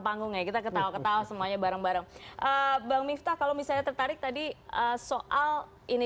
panggung ya kita ketawa ketawa semuanya bareng bareng bang miftah kalau misalnya tertarik tadi soal ini